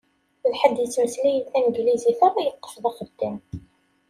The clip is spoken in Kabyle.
D ḥedd yettmeslayen taneglizit ara yeṭṭef d axeddam.